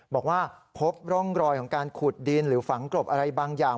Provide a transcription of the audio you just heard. บอกว่าพบร่องรอยของการขุดดินหรือฝังกลบอะไรบางอย่าง